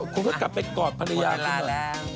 คุณก็กลับไปกอดภรรยาคุณ